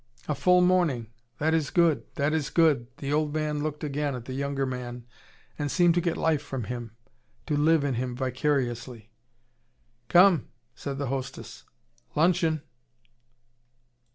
"A full morning! That is good, that is good!" The old man looked again at the younger man, and seemed to get life from him, to live in him vicariously. "Come," said the hostess. "Luncheon."